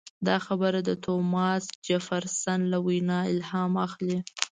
دا خبره د توماس جفرسن له وینا الهام اخلي.